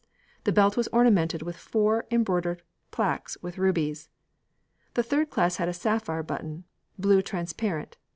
The belt was ornamented with four embroidered plaques with rubies. The third class had a sapphire button blue transparent.